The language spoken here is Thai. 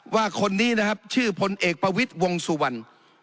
ว่าคนนี้นะครับชื่อพลเอกประวิทย์วงสุวรรณ